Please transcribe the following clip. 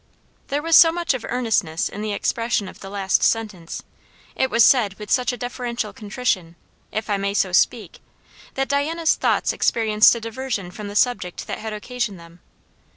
There was so much of earnestness in the expression of the last sentence, it was said with such a deferential contrition, if I may so speak, that Diana's thoughts experienced a diversion from the subject that had occasioned them.